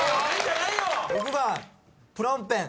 ６番「プノンペン」！